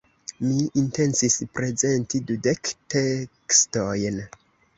Mi intencis prezenti dudek tekstojn.